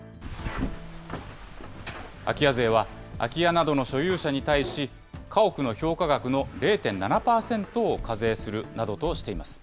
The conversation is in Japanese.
空き家税は、空き家などの所有者に対し、家屋の評価額の０．７％を課税するなどとしています。